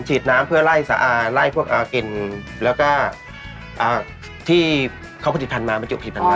ฉีดน้ำเพื่อไล่สะอาดไล่พวกกินแล้วก็ที่เขาผลิตภัณฑ์มาบรรจุผิดพันมา